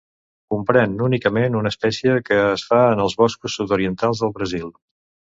Comprèn únicament una espècie, que es fa en els boscos sud-orientals del Brasil.